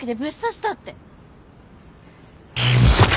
えっ！